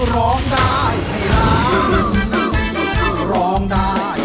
ร้องได้ร้องร้องได้